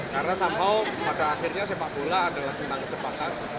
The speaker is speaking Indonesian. karena somehow pada akhirnya sepak bola adalah tentang kecepatan